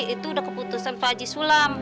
itu udah keputusan pak haji sulam